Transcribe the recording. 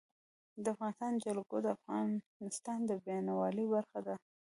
د افغانستان جلکو د افغانستان د بڼوالۍ برخه ده.